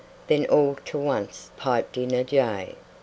Then all ter onct piped in a jay.